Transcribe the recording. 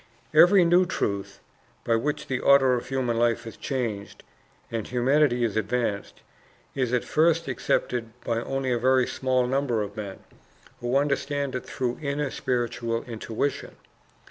Every new truth, by which the order of human life is changed and humanity is advanced, is at first accepted by only a very small number of men who understand it through inner spiritual intuition.